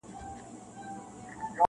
جهاني ستا چي یې په وینو کي شپېلۍ اودلې-